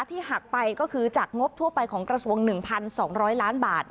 หักไปก็คือจากงบทั่วไปของกระทรวง๑๒๐๐ล้านบาท